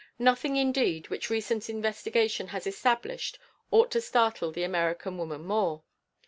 Nothing, indeed, which recent investigation has established ought to startle the American woman more.